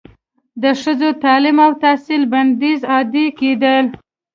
د ښځو تعلیم او تحصیل بندیز عادي کیدل